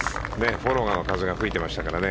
フォローの風が吹いてましたからね。